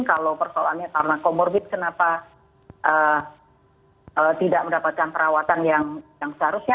kalau persoalannya karena comorbid kenapa tidak mendapatkan perawatan yang seharusnya